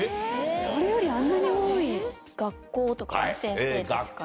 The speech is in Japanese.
・それよりあんなに多い・先生たちから。